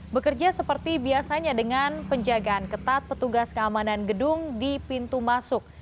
bekerja seperti biasanya dengan penjagaan ketat petugas keamanan gedung di pintu masuk